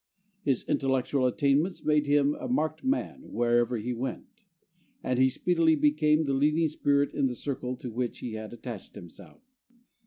His intellectual attainments made him a marked man wherever he went, and he speedily became the leading spirit in the circle to which he had attached himself.